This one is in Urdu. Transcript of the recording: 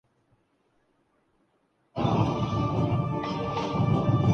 پکانے کی ترکیب پر روشنی ڈالی